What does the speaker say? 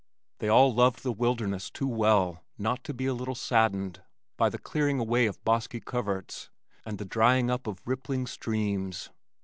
They all loved the wilderness too well not to be a little saddened by the clearing away of bosky coverts and the drying up of rippling streams.